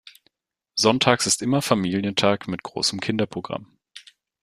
Sonntags ist immer Familientag mit großem Kinderprogramm.